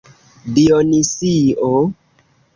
Dionisio.